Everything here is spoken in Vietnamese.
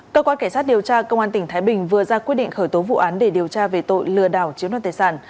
cơ quan cảnh sát điều tra công an tỉnh thái bình vừa ra quyết định khởi tố vụ án để điều tra về tội lừa đảo chiếm đoàn tài sản